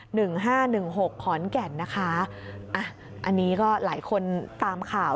หนึ่งห้าหนึ่งหกขอนแก่นนะคะอ่ะอันนี้ก็หลายคนตามข่าว